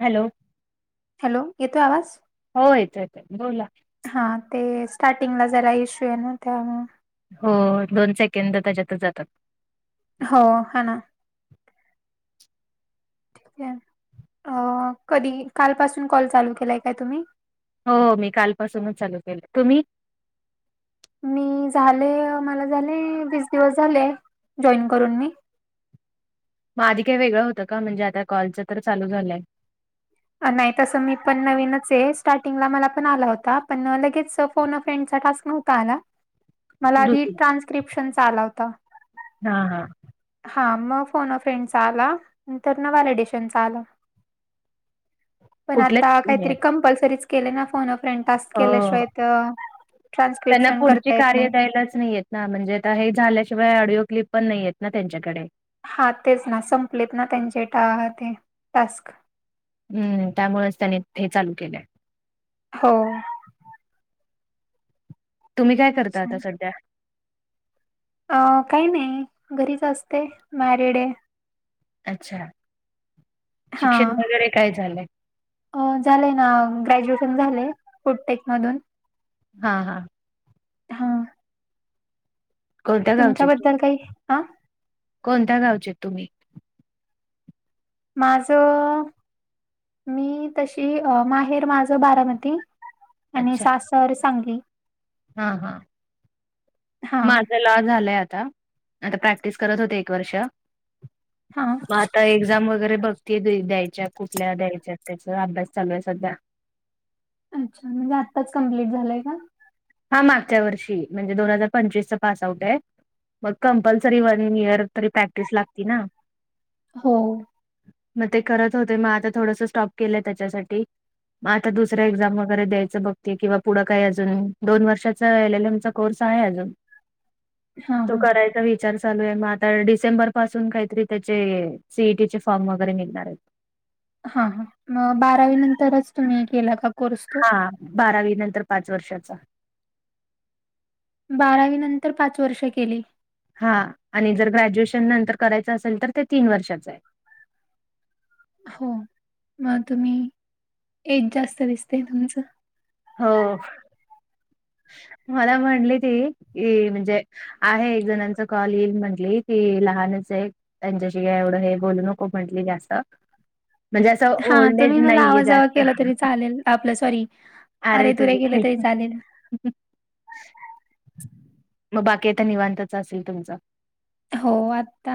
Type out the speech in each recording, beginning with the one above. Hello hello येतोय आवाज हो येत येत बोला. हा ते स्टार्टिंगला जरा इश्यू आहे ना त्यामुळे हो दोन सेकंड त्यांच्यात जातांत हो हां नां अं कधीं कालंपासूंन कॉल चालूं केलांय कायं तुम्हीं हो हो मी कालंपासूंनच चालूं केलां तुम्हीं मी झाले मलां झाले वीस दिवसं झाले जॉईन करूंन मी मंग आंधी कांहीं वेगळं होतं कां म्हणजे आंता कॉलचं तरं चालूं झालंय नाहीं तसं मी पणं नवीनचं आहे स्टार्टिंगला मलां पणं आलां होतां पणं लगेच फोन फ्रेंडचा टास्कं नव्हतां कां नां मलां आंधी दुसरं ट्रान्स्क्रिप्शन चां आलां होतां हां हां हां मंग फोन फ्रेंड चां आलां नं तरं ना व्हॅलिडेशनचा आलां पणं कुठल्याच आंता तुम्ही कांहींतरी कंपल्सरीच केले नां फोन फ्रेंटास्क हो केल्यांशिवाय तरं ट्रान्स्क्रिप्शन करतां येतं नाहीं एलंच नाहीं येतं नां म्हणजे आंता हे झाल्यांशिवाय ऑडिओ क्लिप पणं नाहींयेतं नां त्यांच्याकडे हां तेचं नां संपलेत नां त्यांचे टा ते टास्कं नां हम्मं त्यामुळे चं त्यांने हे चालूं केलें आहे हो तुम्हीं कायं करतां आंता संध्या अं कांहीं नाहीं घरीच असतें मॅरिड आहे अच्छा शिक्षणं वगैरें कायं झालंय अं झालंय नां ग्रॅज्युएशन झालेय फोटटेक मधूंन हां हां हां कोणत्या तुमच्यांबद्दल कांहीं हां कोणत्यां गावंचेत तुम्हीं माझं अं मी तशी माहेर माझं बारामती आणि अच्छा सासंर सांगली हां हां हा माझं लॉ झालंय आंता आंता प्रॅक्टिस करतं होते एक वर्ष हां मंग आंता एक्झांम वगैरें बघती द्यांयच्या कुंठल्या द्यांयच्यांत त्यांचा अभ्यास चालूं आहे संध्या अच्छा म्हणजे आत्ताचं कम्प्लीट झालंय कां हां मागच्यां वर्षी म्हणजे दोन हजांर पंचवीस चां पास आऊट आहे मंग कंपल्सरी वंन इयंर तरी प्रॅक्टिस लागते नां हो मंग ते करतं होते मंग आंता थोडंसं स्टॉप केलंय त्यांच्यासाठी मंग आंता दुसऱ्यां एक्झांम वगैरें द्यायचं बघते किंवा पुढं कांहीं अजूंन दोन वर्षाचा एल एल एम चां कोर्स आहे अजूंन हा तो हा करायंचा वि विचारं चालूं आहे मंग आंता डिसेंबर पासूंन कांहींतरी त्यांचे सीईटी चे फॉर्म वगैरें निघणांर आहेतं हां हां मंग बारावी नंतरच तुम्हीं केलां कां कोर्स तो हां बारावी नंतर पांच वर्षाचा बारावी नंतर पांच वर्ष केली हां आणि जरं ग्रॅज्युएशन नंतर करायचं असेल तरं ते तीनं वर्षाचं आहे हो मंग तुम्हीं एज जास्तं दिसते तुमचं हो मला म्हणली ती म्हणजे इ म्हणजे आहे एक जणांचा कॉल येईल म्हटले की लहानच आहे त्यांच्याशी काय एवढं हे बोलू नको म्हंटली जास्त म्हणजे असं हा ओल्ड एज तुम्ही मला नाहीये आवाजावा जास्त केला तरी चालेल आपलं सॉरी अरे तुरे केलं तरी चालेल ना [unintelligible] मग बाकी आता निवांतच असेल तुमच हो आता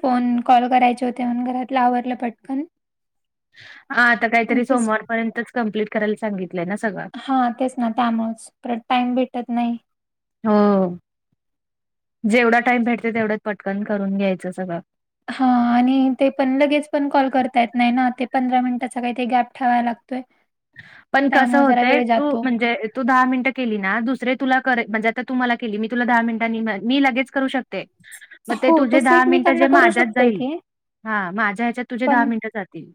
फोन कॉल करायचे होते म्हणून घरातला आवरलं पटकन हा आता काहीतरी सोमवारपर्यंतच कंप्लीट करायला सांगितलंय ना सगळं हा तेच ना त्यामुळेच प टाइम भेटत नाही हो जेवढा टाइम भेटते तेवढंच पटकन करून घ्यायचं सगळं हा आणि ते पण लगेच पण कॉल करता येत नाही ना ते पंधरा मिनिटाचा काही ते गॅप ठेवा लागतोय पण कस त्यामुळे जरा होतंय वेळ तू जातो. म्हणजे तु दहा मिनिट केली ना दुसरे तुला कर म्हणजे आता तुम्हाला केली मी तुला दहा मिनट मी लगेच करू शक ते मग ते हो तुझे तसं दहा मिनिट एकमेकांना जे करू माझ्यात शकतो जाईल की हा माझ्या ह्याच्यात तुझे पण दहा मिनटं जातील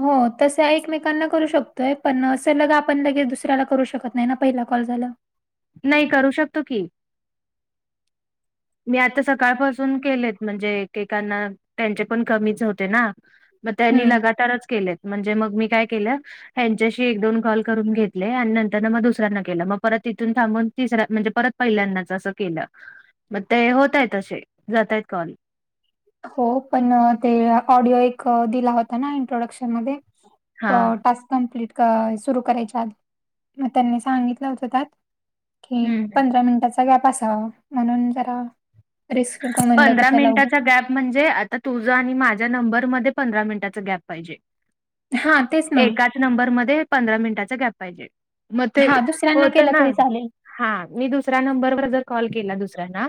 हो तस एकमेकांना करू शकतोय पण असं लग आपण लगेच दुसऱ्याला करू शकत नाही ना पहिला कॉल झाला नाही करू शकतो की मी आता सकाळपासून केलेत म्हणजे एकेकांना त्यांचे पण कमीच होते ना मग त्यांनी हम्म लगातारच केलेत म्हणजे मग मी काय केलं हच्याशी एक दोन कॉल करून घेतले आणि नंतर मग दुसऱ्यांना केलं मग परत तिथून थांबून तिसर म्हणजे परत पहिल्यांदाच असं केलं मग ते होतय असे जातय आहेत कॉल हो पण ते ऑडिओ एक दिला होता ना इंट्रोडक्शन मध्ये हां. टास्क कंप्लीट सुरू करायच्या आधी मग त्यांनी सांगितलं होतं त्यात कि हं. पंधरा मिनिटाचा गॅप असावा म्हणून जरा रिस्क नको म्हणलं पंधरा कशाला उगच मिनट गॅप म्हणजे आता तुझं आणि माझ्या नंबरमध्ये पंधरा मिनिटाच गॅप पाहिजे हा तेच ना म नंबर मध्ये पंधरा मिनिटाचा गॅप पाहिजे मग ते हा दुसऱ्यांना होत केलं ना तरी चालेल. हा मी दुसऱ्या नंबरवर जर कॉल केला दुसऱ्यांना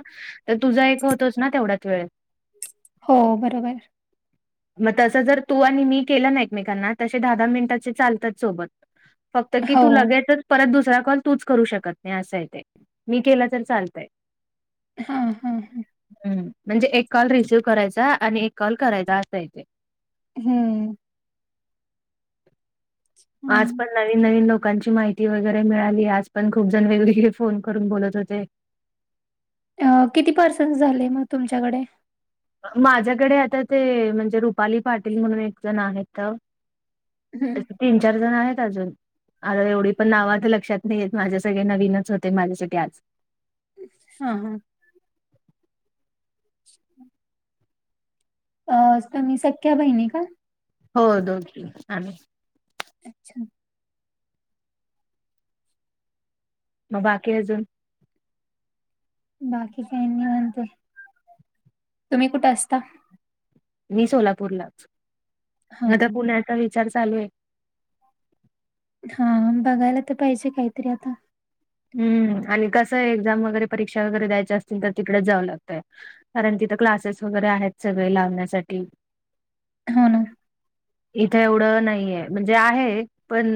तर तुझं एक होतोच ना तेवढ्याच वेळ हो बरोबर आहे मग तसं जर तू आणि मी केलं ना एकमेकांना तसे दहा, दहा मिनिटाचे चालतात सोबत फक्त की हो तू लगेचच परत दुसरा कॉल तूच करू शकत नाही असं आहे ते मी केलं तर चालतंय ह, ह हम म्हणजे एक कॉल रिसिव्ह करायचा आणि एक कॉल करायचा असा इथे हम्म [unintelligible] आज पण नवीन, नवीन लोकांची माहिती वगैरे मिळाली आज पण खूपजण वेगवेगळे फोन करून बोलत होते अ किती पर्सेंट झाले मग तुमच्याकडे माझ्याकडे आता ते म्हणजे रुपाली पाटील म्हणून एक जण आहेत हम्म. तीन, चार जण आहेत अजून आता एवढी पण नाव तर लक्षात नाहीेत माझ्या सगळे नवीनच होते माझ्यासाठी आज हा, हा. [unintelligible] अ, तुम्ही सख्या बहिणी का? हो, दोघी आम्ही. अच्छा. मग बाकी अजून? बाकी काय निवांत, तुम्ही कुठं असता? मी सोलापूरलाच, हां आता हां. पुण्याचा विचार चालूय. हा, बघायला तर पाहिजे काहीतरी आता. हम्म, आणि कसं एक्झाम वगैरे परीक्षा वगैरे द्यायच्या असतील तर तिकडेच जावं लागतंय. कारण तिथं क्लासेस वगैरे आहेत, सगळे लावण्यासाठी. हो, ना. इथं एवढं नाहीये, म्हणजे आहे. पण,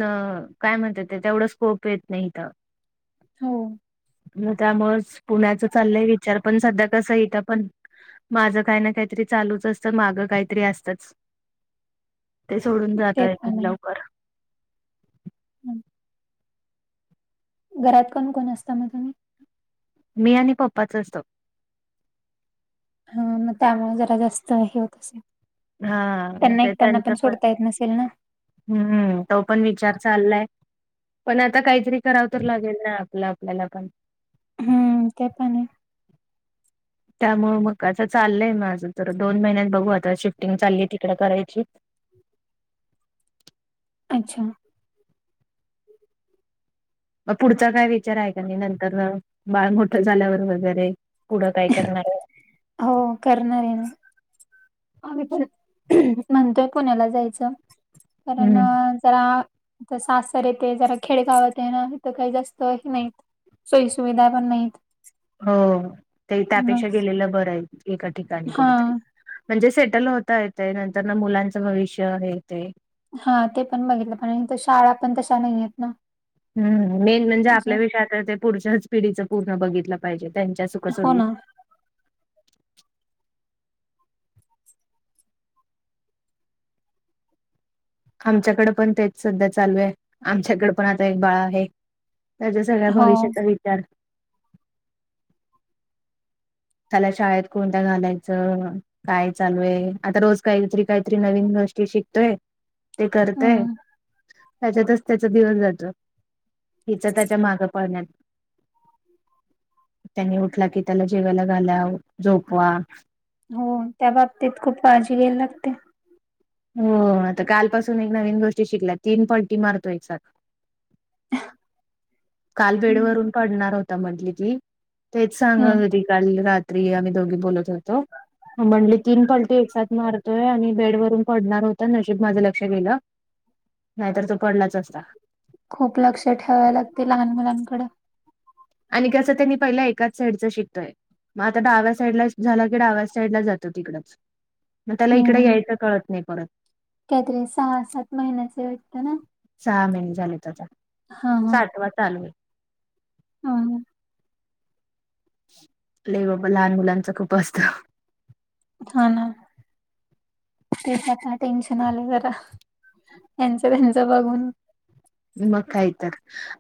काय म्हणतात ते, तेवढं स्कोप येत नाही इथं. हो. त्यामुळेच, पुण्याच चाललंय विचार पण सध्या तसं इथ पण, माझं काही ना काहीतरी चालूच असतं मागं काहीतरी असतच. [unintelligible] ते सोडून जात ते आहेत, लवकर. हम् घरात कोण -कोण असता मग तुम्ही? मी आणि पप्पाच असतो. ह, मग त्यामुळे जरा जास्त हेच. हा मग त्यांना ते एकटयाना पण त्यांचं सोडता येत नसेल ना? हम्म, तो पण विचार चाललाय, पण आता काहीतरी कराव तर लागेल ना. आपलं आपल्याला पण. हम्म ते पण हाय. त्यामुळ, मग असं चाललंय माझं, तर दोन महिन्यात बघू आता शिफ्टिंग चालली आहे तिकडे करायची. अच्छा. मग पुढचा काय विचार आहे का नाही नंतरन, बाळ मोठं झाल्यावर वगैरे, पुढं काय करणार हाय. हो, करणार आहे ना. आम्ही पण, म्हणतोय पुण्याला जायचं, कारण हम्म जरा जस असते रे ते, जरा खेडगावात आहे ना त्याच जास्त हे नाहीत सोयी- सुविधा पण नाहीत. हो, ते त्यापेक्षा मग गेलेलं बरंय, एका ठिकाणी हा कुठतरी. म्हणजे सेटल होता येत, नंतरन मुलांचं भविष्य हे ते. हा, ते पण बघितलं पण, इथं शाळा पण तशा नाहीयेत ना. हम्म, मेन म्हणजे आपल्या विषयात ते पुढच्याच पिढीचं पूर्ण बघितलं पाहिजे, त्यांच्या हो सुख-सोयी. ना आमच्याकडे पण तेच सध्या चालूय, आमच्याकडे पण आता एक बाळा आहे. त्याच्या सगळ्या हो भविष्याचा विचार त्याला शाळेत कोणत्या घालायचं. काय चालूय, आता रोज काहीतरी, काहीतरी नवीन गोष्टी शिकतोय. ते करतय. हम्म त्याच्यातच त्याचा दिवस जातो, हिच त्याच्या मागं पाहण्यात. त्यांनी उठला की त्याला जेवायला घाला झोपवा. हो त्या बाबतीत खूप काळजी घ्यायला लागते. हो आता कालपासून एक नवीन गोष्टी शिकल्या तीन पल्टी मारतो एक साथ [unintelligible] काल बेड हम्म वरून पडणार होता म्हंटली ती तेच सांग हम्म. होती. काल रात्री आम्ही दोघी बोलत होतो हो म्हंटली तीन पलटी एक साथ मारतोय आणि बेड वरून पडणार होत नशिब माझं लक्ष गेलं नाही तर तो पडलाच असता. खूप लक्ष ठेवाय लागते लहान मुलांकड. आणि कसं त्यांनी पहिला एकाच साईडच शिकतोय. म आता डाव्या साईडला झाला की डाव्या साईड लाच जातो तिकडच. मग त्याला इकडं यायचं कळत नाही परत काय तरी सहा सात महिन्याचे वाटतं ना? सहा महिने झाले त्याचा हा सातवा चालू होईल. आ ना! लय बाबा लहान मुलांचं खूप असतं. हा ना! ते ताच टेन्शन आलय जरा यांचं त्यांचं बघून. मग कायतर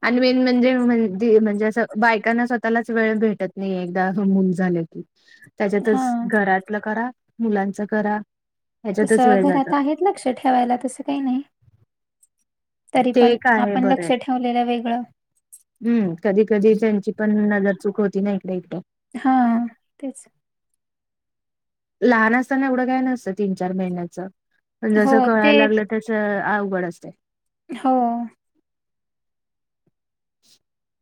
आणि मेन म्हणजे म्हणजे म्हणजे अस बायकांना स्वतःलाच वेळ भेटत नाही एकदा मूल झाले की. त्याच्यातच हा घरातलं करा मुलांच करा. ह्याच्यातच तसं वेळ जातो. घरात आहे लक्ष ठेवायला तसं काय नाही. तरी ते पण एक आहे आपण बरं लक्ष आहे. ठेवलेलं वेगळं. हम्म कधी कधी त्यांची पण नजर चूक होती न्हाय इकड इकटं. हा तेच! लहान असताना एवढं काय नसतं तीन चार महिन्याचं पण हो जसं ते कळायला लागलं तसं अवघड असतयं. हो! [inaudible]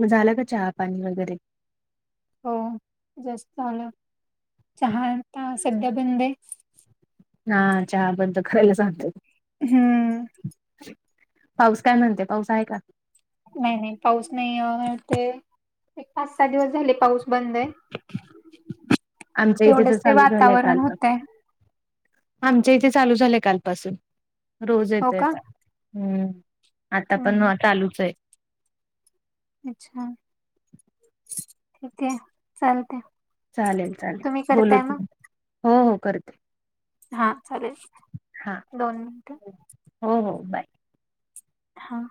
म झालं का चहा पाणी वगैरे? हो जास्त आलं चहा आता सध्या बंद हाय. हा चहा बंद करायला सांगतय. हम्म! पाऊस काय म्हणते, पाऊस आहे का? नाही नाही पाऊस नाही आहे ते एक पाच सहा दिवस झाले पाऊस बंद हाय. आमच्या इथे तर चालू झालंय कालपा आमच्या इथे चालू झालांय कालपासून रोज हो येतोय का आता. हम्म, आता पण हम्म चालूच हाय. अच्छा, ठीक आहे चालते. चालेल चालेल तुम्ही बोलू करताय मग हो हो करते. हा चालेल. हा दोन मिनिटं हो हो बाय! हां!